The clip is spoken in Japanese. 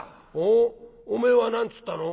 「おっおめえは何つったの？